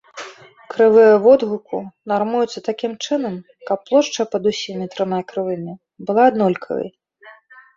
Крывыя водгуку нармуюцца такім чынам, каб плошча пад усімі трыма крывымі была аднолькавай.